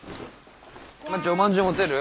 まちおまんじゅう持てる？